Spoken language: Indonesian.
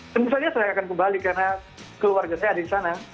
tentu saja saya akan kembali karena keluarga saya ada di sana